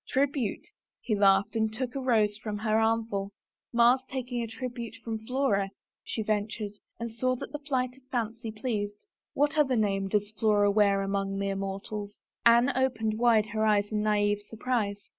Tribute," he laughed and took a rose from her armful. Mars taking tribute from Flora," she ventured and saw that the flight of fancy pleased. ." What other name does Flora wear among mere mortals ?" Anne opened wide her eyes in naive surprise.